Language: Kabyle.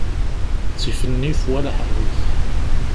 Ttif nnif wala iḥerrif.